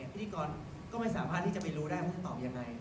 พิธีกรก็ไม่สามารถที่จะไปรู้ได้ว่าท่านตอบยังไง